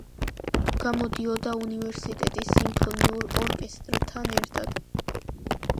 გამოდიოდა უნივერსიტეტის სიმფონიურ ორკესტრთან ერთად.